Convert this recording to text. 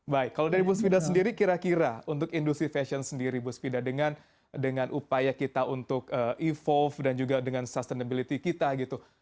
baik kalau dari bu svida sendiri kira kira untuk industri fashion sendiri bu svida dengan upaya kita untuk evolve dan juga dengan sustainability kita gitu